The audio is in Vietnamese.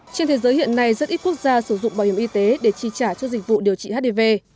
trên thế giới hiện nay rất ít quốc gia sử dụng bảo hiểm y tế để chi trả cho dịch vụ điều trị hdv